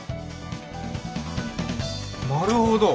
なるほど。